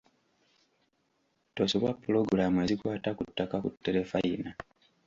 Tosubwa pulogulaamu ezikwata ku ttaka ku tterefayina.